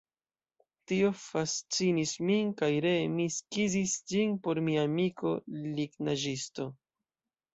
Tio fascinis min kaj ree mi skizis ĝin por mia amiko lignaĵisto.